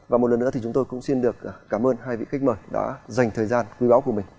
và một lần nữa thì chúng tôi cũng xin được cảm ơn hai vị khách mời đã dành thời gian quý báo của mình